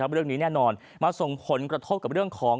เรื่องนี้แน่นอนมาส่งผลกระทบกับเรื่องของ